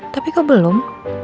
tapi kok belum